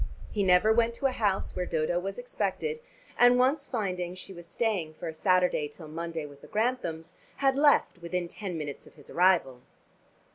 He never went to a house where Dodo was expected, and once finding she was staying for a Saturday till Monday with the Granthams, had left within ten minutes of his arrival.